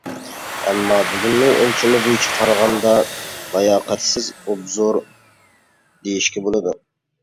ئەمما، بۈگۈننىڭ ئۆلچىمى بويىچە قارىغاندا لاياقەتسىز ئوبزور دېيىشكە بولىدۇ.